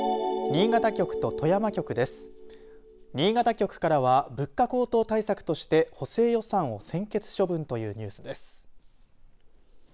新潟局からは物価高騰対策として補正予算を専決処分というニュースです。